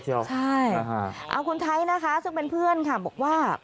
ใช่เอาคุณไทยนะคะซึ่งเป็นเพื่อนค่ะบอกว่า